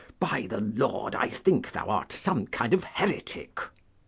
By the Lord, I think thou art some kind of heretick.